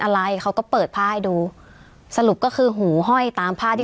อะไรเขาก็เปิดผ้าให้ดูสรุปก็คือหูห้อยตามผ้าที่